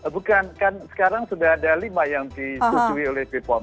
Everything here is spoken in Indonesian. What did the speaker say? bukan kan sekarang sudah ada lima yang disetujui oleh bepom